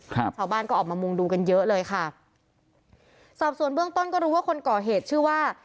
ครับชาวบ้านก็ออกมามุงดูกันเยอะเลยค่ะสอบส่วนเบื้องต้นก็รู้ว่าคนก่อเหตุชื่อว่า